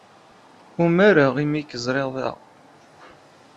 Umareɣ imi ay k-ẓriɣ da.